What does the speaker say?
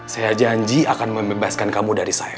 saya janji akan membebaskan kamu dari saya